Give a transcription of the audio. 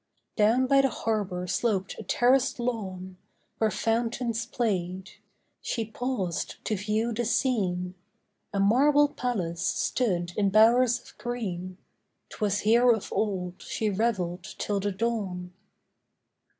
Down by the harbour sloped a terraced lawn, Where fountains played; she paused to view the scene. A marble palace stood in bowers of green 'Twas here of old she revelled till the dawn.